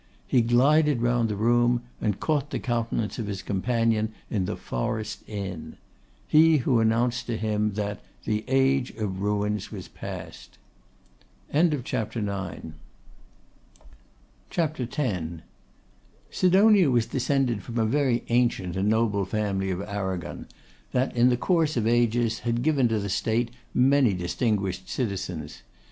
He glided round the room, and caught the countenance of his companion in the forest inn; he who announced to him, that 'the Age of Ruins was past.' CHAPTER X. Sidonia was descended from a very ancient and noble family of Arragon, that, in the course of ages, had given to the state many distinguished citizens.